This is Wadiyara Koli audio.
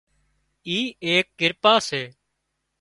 اي ايڪ ڪرپا سي